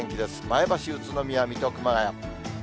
前橋、宇都宮、水戸、熊谷。